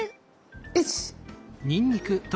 よし！